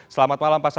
selamat malam pak saad